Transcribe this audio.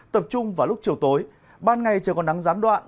tập trung vào lúc chiều tối ban ngày trời còn nắng gián đoạn